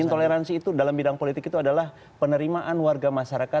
intoleransi itu dalam bidang politik itu adalah penerimaan warga masyarakat